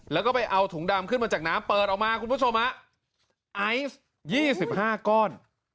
แล้วก็ไปเอาถุงดำขึ้นมาจากน้ำเปิดออกมาคุณผู้ชมฮะไอซ์๒๕ก้อน